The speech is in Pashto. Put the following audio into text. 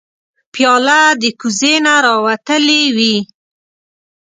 پیاله د کوزې نه راوتلې وي.